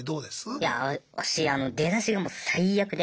いや私あの出だしがもう最悪で。